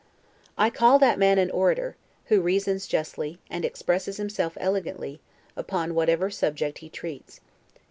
I call that man an orator, who reasons justly, and expresses himself elegantly, upon whatever subject he treats.